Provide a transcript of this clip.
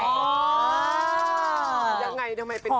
ยังไงทำไมเป็นขวาย